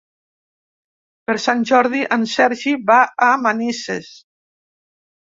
Per Sant Jordi en Sergi va a Manises.